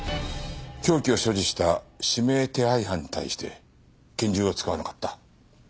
凶器を所持した指名手配犯に対して拳銃を使わなかった。